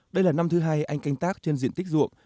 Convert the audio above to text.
đây là năm thứ hai anh canh tác trên diện tích ruộng